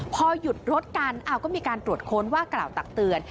พอหยุดรถกันก็มีการตรวจค้นว่ากล่าวตักเตือน